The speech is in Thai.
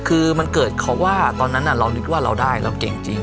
คือมันเกิดเขาว่าตอนนั้นเรานึกว่าเราได้เราเก่งจริง